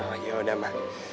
oh yaudah ma